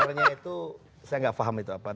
saya agak semendapat sama pak radya tadi